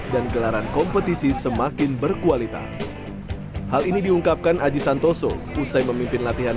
gelaran kompetisi semakin berkualitas hal ini diungkapkan aji santoso usai memimpin latihan